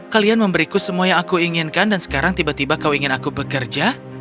kalian memberiku semua yang aku inginkan dan sekarang tiba tiba kau ingin aku bekerja